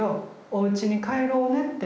おうちに帰ろうねって。